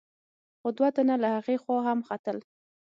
خو دوه تنه له هغې خوا هم ختل.